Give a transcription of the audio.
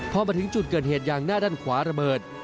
พอมาถึงจุดเกิดเหตุยางหน้าด้านขวาระเบิด